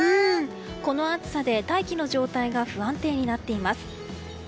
この暑さで大気の状態が不安定になっています。